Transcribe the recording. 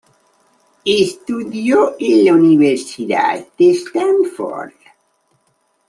Estudió en la Universidad de Stanford.